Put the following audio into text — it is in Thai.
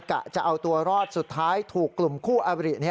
จะเอาตัวรอดสุดท้ายถูกกลุ่มคู่อบริ